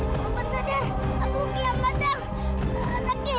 paman sadar aku kehilangan tangan